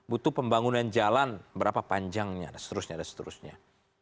butuh pembangunan jalan berapa panjangnya dan seterusnya